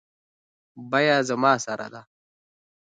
بیه زما سره ده